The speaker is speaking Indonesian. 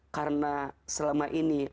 karena selama ini